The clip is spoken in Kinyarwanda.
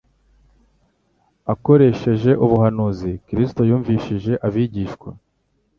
Akoresheje ubuhanuzi, Kristo yumvishije abigishwa